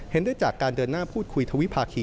ได้จากการเดินหน้าพูดคุยทวิภาคี